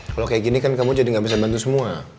kalau kayak gini kan kamu jadi nggak bisa bantu semua